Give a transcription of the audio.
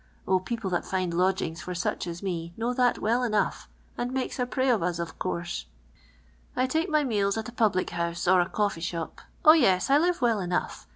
(.», people that find lodLMUgi f • r Mjch as mr, know that well em^ngh, and nsakes a j'ley of UN. of ei ur^e. *• I take my meals at a public house or a coree shop. O yes, I live well enough.